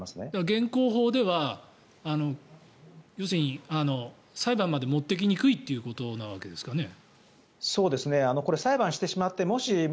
現行法では裁判まで持っていきにくいということなわけですかね。